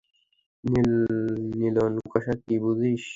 নীলনকশা কী বুঝিস?